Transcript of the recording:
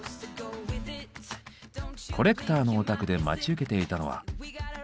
コレクターのお宅で待ち受けていたのは。